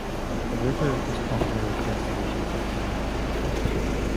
The river is popular destination for kayaking.